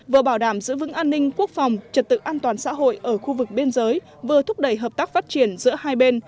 vừa bảo đảm giữ vững an ninh quốc phòng trật tự an toàn xã hội ở khu vực biên giới vừa thúc đẩy hợp tác phát triển giữa hai bên